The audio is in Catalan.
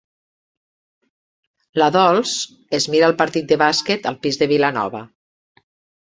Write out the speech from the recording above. La Dols es mira el partit de bàsquet al pis de Vilanova.